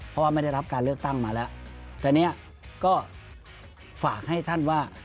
เพราะว่าไม่ได้รับการเลือกตั้งมาแล้วแต่เนี่ยก็ฝากให้ท่านว่า